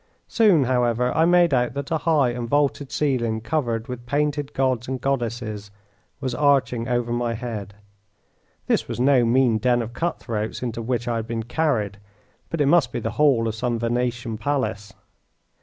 Soon, however, I made out that a high and vaulted ceiling covered with painted gods and goddesses was arching over my head. This was no mean den of cut throats into which I had been carried, but it must be the hall of some Venetian palace.